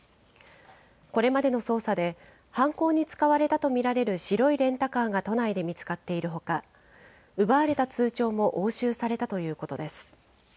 これまでの捜査で、犯行に使われたと見られる白いレンタカーが都内で見つかっているほか、奪われた通帳も押収されたということです。